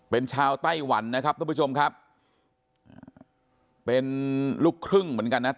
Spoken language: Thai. เป็นชาวไต้หวันนะครับทุกผู้ชมครับเป็นลูกครึ่งเหมือนกันนะ